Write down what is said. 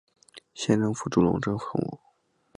县政府驻龙城镇。